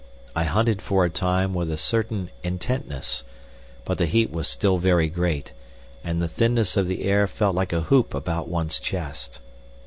I hunted for a time with a certain intentness, but the heat was still very great, and the thinness of the air felt like a hoop about one's chest.